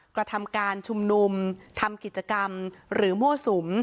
กระทำการชุมนุมทำกิจกรรมหรือมั่วสุม